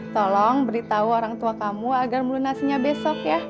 tolong beritahu orang tua kamu agar melunasinya besok ya